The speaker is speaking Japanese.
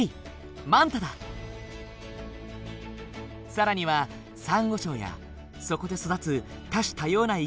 更にはサンゴ礁やそこで育つ多種多様な生き物たち。